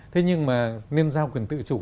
thế nhưng mà nên giao quyền tự chủ